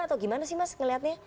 atau gimana sih mas ngelihatnya